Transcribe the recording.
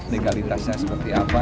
legalitasnya seperti apa